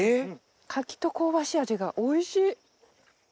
柿と香ばしい味がおいしい！